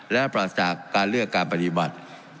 และปราศจากการเลือกการปฏิบัติ